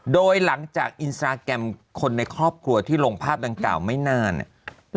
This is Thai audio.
โดยหลังจากอินสตราแกรมคนในครอบครัวที่ลงภาพดังกล่าวไม่นานเนี่ย